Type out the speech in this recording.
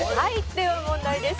では問題です」